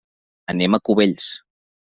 Anem a Cubells.